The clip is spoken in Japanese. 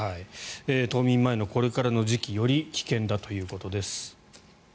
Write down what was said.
冬眠前のこれからの時期より危険だということです。